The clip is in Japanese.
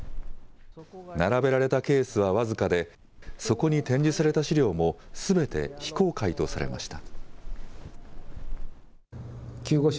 並べられたケースは僅かでそこに展示された資料もすべて非公開とされました。